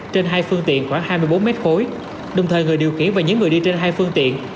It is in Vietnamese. trên hai phương tiện khoảng hai mươi bốn mét khối đồng thời người điều khiển và những người đi trên hai phương tiện